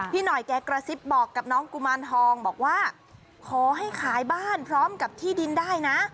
พี่หน่อยแกกระซิบบอกกับน้องกุมารทองบอกว่าขอให้ขายบ้านพร้อมกับที่ดินได้นะ